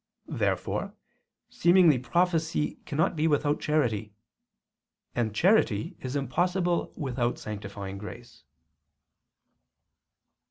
Therefore seemingly prophecy cannot be without charity; and charity is impossible without sanctifying grace.